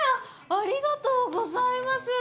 ありがとうございます